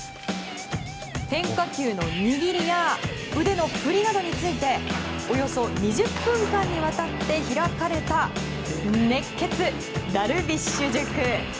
変化球の握りや腕の振りなどについておよそ２０分間にわたって開かれた熱血ダルビッシュ塾。